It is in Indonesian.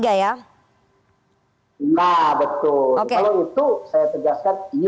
kalau itu saya tegaskan iya ya